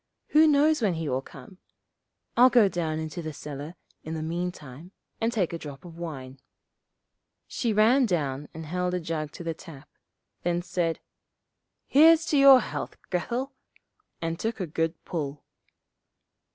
Who knows when he will come. I'll go down into the cellar in the meantime and take a drop of wine.' She ran down and held a jug to the tap, then said, 'Here's to your health, Grethel,' and took a good pull.